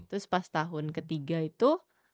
terus pas tahun ketiga itu